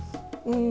うん。